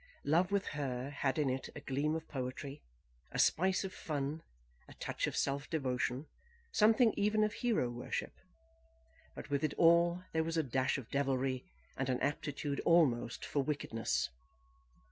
Love with her had in it a gleam of poetry, a spice of fun, a touch of self devotion, something even of hero worship; but with it all there was a dash of devilry, and an aptitude almost for wickedness.